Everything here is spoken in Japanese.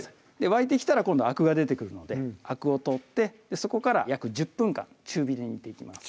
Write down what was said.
沸いてきたら今度アクが出てくるのでアクを取ってそこから約１０分間中火で煮ていきます